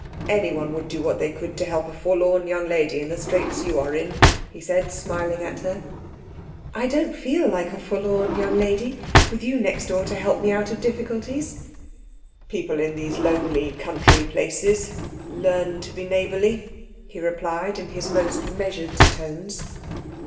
"Anyone would do what they could to help a forlorn young lady in the straits you are in," he said, smiling at her. "I don't feel like a forlorn young lady with you next door to help me out of the difficulties." "People in these lonely country places learn to be neighbourly," he replied in his most measured tones.